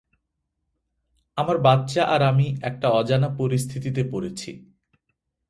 আমার বাচ্চা আর আমি একটা অজানা পরিস্থিতিতে পড়েছি।